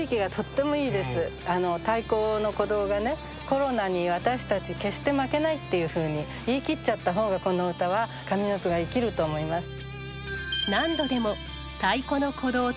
「コロナに私たち決して負けない」っていうふうに言い切っちゃった方がこの歌は上の句が生きると思います。